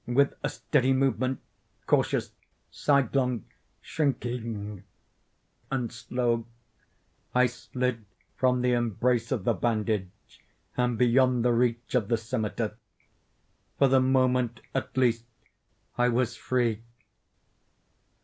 With a steady movement—cautious, sidelong, shrinking, and slow—I slid from the embrace of the bandage and beyond the reach of the scimitar. For the moment, at least, I was free.